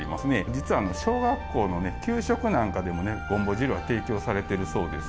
実は小学校のね給食なんかでもねごんぼ汁は提供されてるそうです。